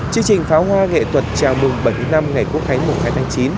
chương trình pháo hoa nghệ thuật chào mừng bảy mươi năm ngày quốc khánh mùng hai tháng chín